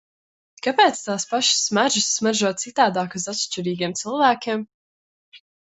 Kāpēc tās pašas smaržas smaržo citādāk uz atšķirīgiem cilvēkiem?